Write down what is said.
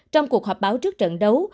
trong cuộc họp báo trước trận đấu